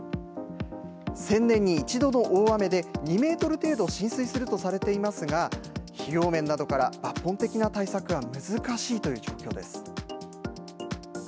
１０００年に１度の大雨で、２メートル程度浸水するとされていますが、費用面などから抜本的な対策は難しいという状況です。